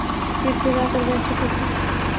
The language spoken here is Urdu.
ارد گرد آ کر بیٹھ چکے تھی